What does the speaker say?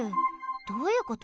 どういうこと？